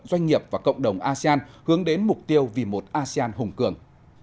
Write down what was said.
doanh nghiệp và cộng đồng asean hướng đến mục tiêu vì một asean hùng cường